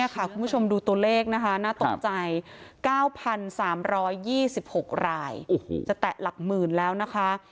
คุณผู้ชมดูตัวเลขนะคะน่าตกใจ๙๓๒๖รายจะแตะหลักหมื่นแล้วนะคะ